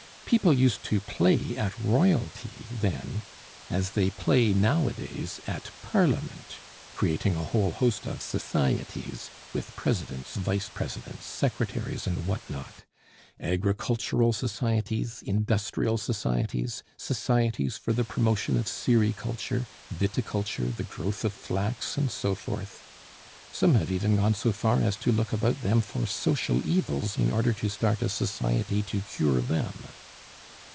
People used to play at Royalty then as they play nowadays at parliament, creating a whole host of societies with presidents, vice presidents, secretaries and what not agricultural societies, industrial societies, societies for the promotion of sericulture, viticulture, the growth of flax, and so forth. Some have even gone so far as to look about them for social evils in order to start a society to cure them.